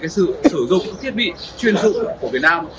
sử dụng thiết bị chuyên dự của việt nam